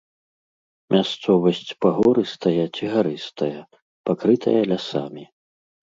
Мясцовасць пагорыстая ці гарыстая, пакрытая лясамі.